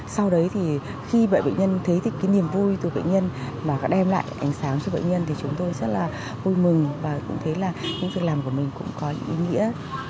sau đấy thì khi bệnh nhân thấy thì cái niềm vui từ bệnh nhân mà đã đem lại ánh sáng cho bệnh nhân thì chúng tôi rất là vui mừng và cũng thấy là những việc làm của mình cũng có ý nghĩa